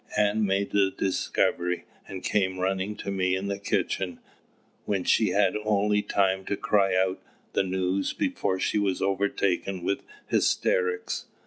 Ann made the discovery, and came running to me in the kitchen, when she had only time to cry out the news before she was overtaken with hysterics.